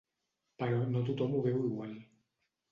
Però no tothom ho veu igual.